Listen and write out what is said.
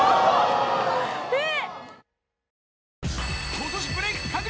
えっ？